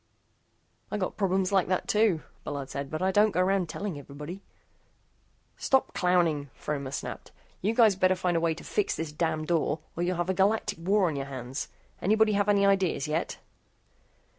"I got problems like that, too," Bullard said, "but I don't go around telling everybody." "Stop clowning," Fromer snapped, "you guys better find a way to fix this damn door or you'll have a galactic war on your hands. Anybody have any ideas yet?"